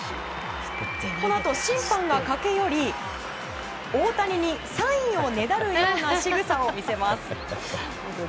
このあと、審判が駆け寄り大谷にサインをねだるようなしぐさを見せます。